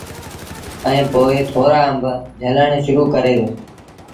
ائيٚݩ پو ٿورآ آݩب جھلڻ شرو ڪري دو۔